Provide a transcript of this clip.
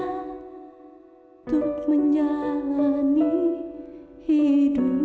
untuk menjalani hidup